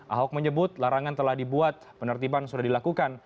ahok menyebut larangan telah dibuat penertiban sudah dilakukan